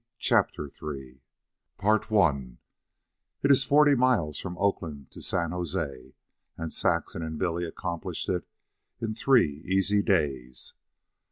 CHAPTER III It is forty miles from Oakland to San Jose, and Saxon and Billy accomplished it in three easy days.